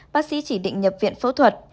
bác sĩ chỉ định nhập viện phẫu thuật